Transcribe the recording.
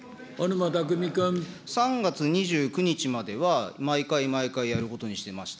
３月２９日までは、毎回、毎回やることにしてました。